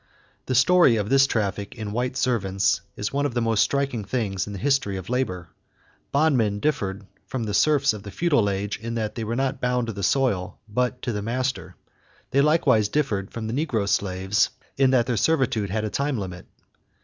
The story of this traffic in white servants is one of the most striking things in the history of labor. Bondmen differed from the serfs of the feudal age in that they were not bound to the soil but to the master. They likewise differed from the negro slaves in that their servitude had a time limit.